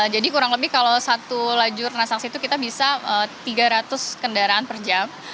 jadi kurang lebih kalau satu lajur transaksi itu kita bisa tiga ratus kendaraan per jam